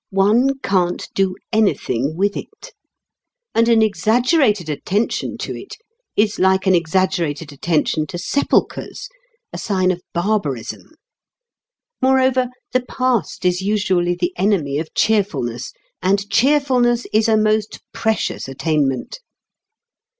One can't do anything with it. And an exaggerated attention to it is like an exaggerated attention to sepulchres a sign of barbarism. Moreover, the past is usually the enemy of cheerfulness, and cheerfulness is a most precious attainment.